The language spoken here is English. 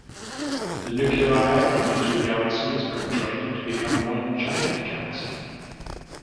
The nuclei of the two galaxies are joining to become one giant galaxy.